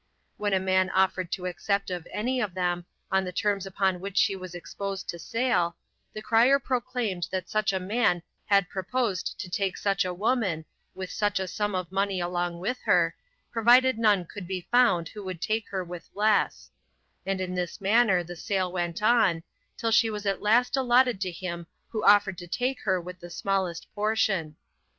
When a man offered to accept of any of them, on the terms upon which she was exposed to sale, the crier proclaimed that such a man had proposed to take such a woman, with such a sum of money along with her, provided none could be found who would take her with less; and in this manner the sale went on, till she was at last allotted to him who offered to take her with the smallest portion.